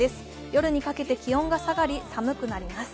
夜にかけて気温が下がり、寒くなります。